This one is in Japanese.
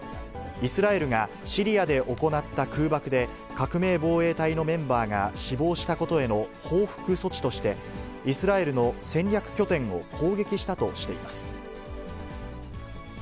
イスラエルがシリアで行った空爆で、革命防衛隊のメンバーが死亡したことへの報復措置として、イスラエルの戦略拠点を攻撃したとしています。